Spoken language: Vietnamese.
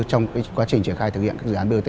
trong quá trình triển khai thực hiện các dự án bot